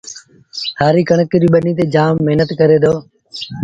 هآريٚ ڪڻڪ ريٚ ٻنيٚ تي جآم مهنت ڪري دو